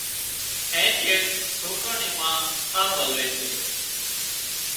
اين چيڙ سوڪران نِي ما ساهَ ولوي سي۔